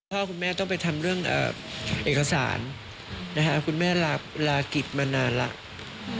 พ่อแม่ต้องไปทำเรื่องเอกสารคุณแม่ลากิจมานานแล้ว